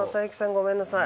ごめんなさい